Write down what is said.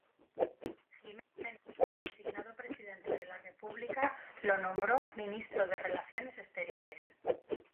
Jimenes, designado presidente de la República lo nombró Ministro de Relaciones Exteriores.